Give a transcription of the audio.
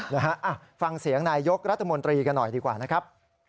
นะฮะฟังเสียงนายยกรัฐมนตรีกันหน่อยดีกว่านะครับ